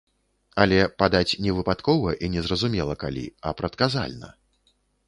Але падаць не выпадкова і незразумела калі, а прадказальна.